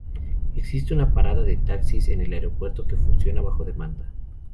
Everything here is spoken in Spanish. Existe una parada de taxis en el aeropuerto que funciona bajo demanda.